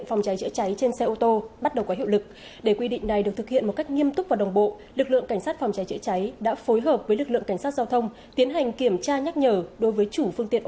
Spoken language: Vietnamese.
phòng cháy chữa cháy ghi nhận sau của truyền hình công an nhân dân